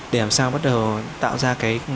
để làm sao bắt đầu tạo ra cái